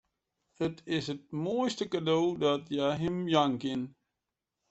It is it moaiste kado dat hja him jaan kin.